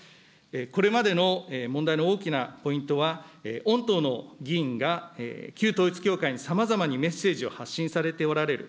これまでの問題の大きなポイントは、御党の議員が旧統一教会にさまざまなメッセージを発信されておられる。